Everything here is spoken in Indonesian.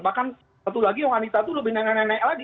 bahkan satu lagi wanita itu lebih nenek nenek lagi